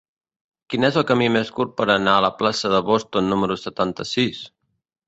Quin és el camí més curt per anar a la plaça de Boston número setanta-sis?